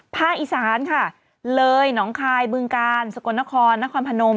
อีสานค่ะเลยหนองคายบึงกาลสกลนครนครพนม